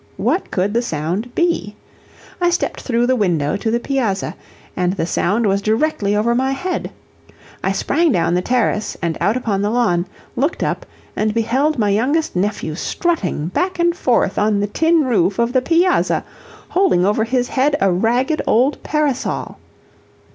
What could the sound be? I stepped through the window to the piazza, and the sound was directly over my head. I sprang down the terrace and out upon the lawn, looked up, and beheld my youngest nephew strutting back and forth on the tin roof of the piazza, holding over his head a ragged old parasol.